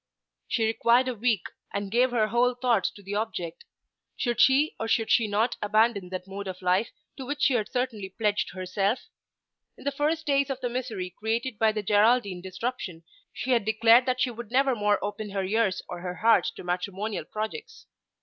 She required a week, and gave her whole thoughts to the object. Should she or should she not abandon that mode of life to which she had certainly pledged herself? In the first days of the misery created by the Geraldine disruption she had declared that she would never more open her ears or her heart to matrimonial projects.